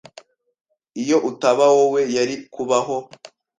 Iyo utaba wowe, yari kubaho.